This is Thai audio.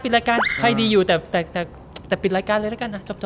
ภายดีอยู่แต่ปิดรายการเลยละกั้นนะจบ